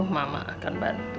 mama akan bantu